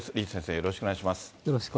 よろしくお願いします。